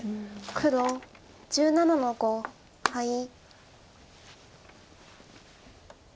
黒１７の五ハイ。